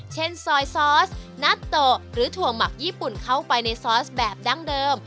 เช่นซอยซอสนัตโตะหรือถั่วหมักญี่ปุ่นเข้าไปในซอสแบบดั้งเดิม